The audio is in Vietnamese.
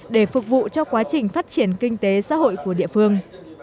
để phục vụ cho quá trình phát triển kinh tế xã hội của địa phương